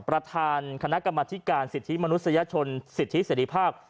ประธานคณะกรรมธิการสิทธิมนุษยชนสิทธิเสร็จภาพ